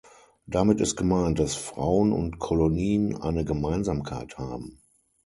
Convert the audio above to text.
Damit ist gemeint, dass Frauen und Kolonien eine Gemeinsamkeit haben.